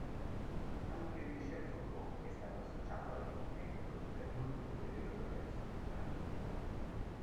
Anche Michel Foucault è stato associato al movimento, per l'ultimo periodo della sua vita.